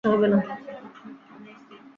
কোনো সমস্যা হবে না।